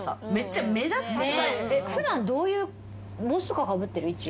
普段どういう帽子とかかぶってる？